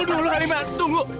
tunggu dulu halimah tunggu